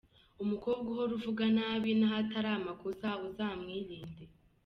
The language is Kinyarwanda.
Umukobwa uhora avuga nabi n'ahatari amakosa uzamwirinde.